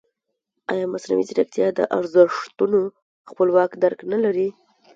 ایا مصنوعي ځیرکتیا د ارزښتونو خپلواک درک نه لري؟